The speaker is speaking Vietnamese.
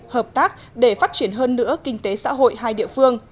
hợp tác để phát triển hơn nữa kinh tế xã hội hai địa phương